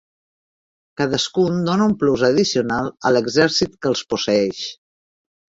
Cadascun dóna un plus addicional a l'exèrcit que els posseeix.